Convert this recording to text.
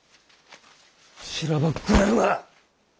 しらばっくれるな。